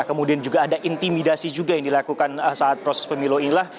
kemudian juga ada intimidasi juga yang dilakukan saat proses pemilu inilah